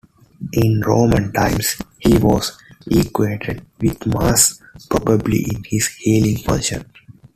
In Roman times he was equated with Mars, probably in his healing function.